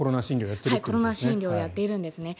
コロナ診療をやっているんですね。